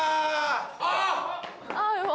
あっ！